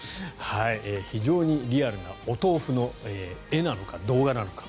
非常にリアルなお豆腐の絵なのか動画なのか。